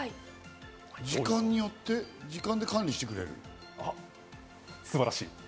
時間によって時間で管理して素晴らしい！